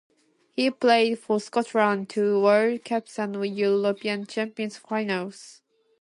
He played for Scotland at two World Cups and one European Champions finals.